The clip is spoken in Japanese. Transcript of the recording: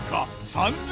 ３０！